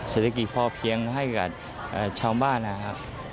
ศิลปิกษ์พอเพียงให้กับชาวบ้านนะครับ